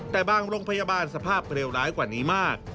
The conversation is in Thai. แต่บางโรงพยาบาลสภาพเร็วร้ายกว่านี้มาก